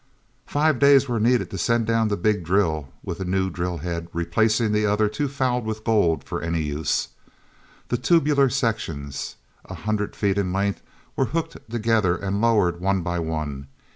Five days were needed to send down the big drill with a new drill head replacing the other too fouled with gold for any use. The tubular sections, a hundred feet in length, were hooked together and lowered one by one.